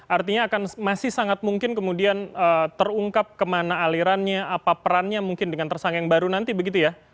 artinya akan masih sangat mungkin kemudian terungkap kemana alirannya apa perannya mungkin dengan tersangka yang baru nanti begitu ya